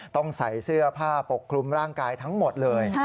ต้องใส่เสื้อผ้าปกคลุมร่างกายทั้งหมดเลย